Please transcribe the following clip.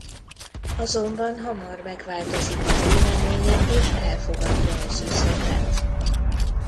Azonban hamar megváltozik a véleménye és elfogadja az üzletet.